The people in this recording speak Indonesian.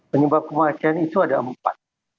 penyebab kematian itu ada empat